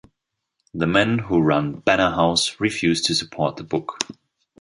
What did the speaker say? The men who run Banner House refuse to support the book.